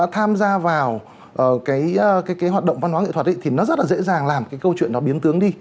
tham gia vào cái hoạt động văn hóa nghệ thuật thì nó rất là dễ dàng làm cái câu chuyện nó biến tướng đi